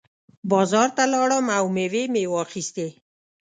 بازار ته لاړم او مېوې مې واخېستې.